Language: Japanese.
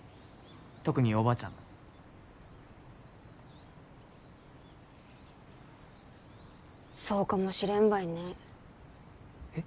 特におばーちゃんそうかもしれんばいねえっ？